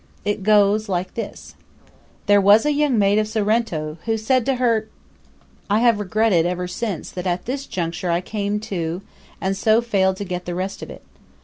It goes like this: "'There was a young maid of Sorrento, Who said to her '" I have regretted ever since that at this juncture I came to and so failed to get the rest of it.